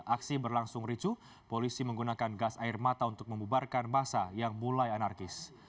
aksi berlangsung ricu polisi menggunakan gas air mata untuk membubarkan masa yang mulai anarkis